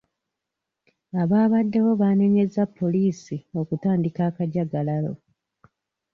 Abaabaddewo baanenyeza poliisi okutandika akajagalalo.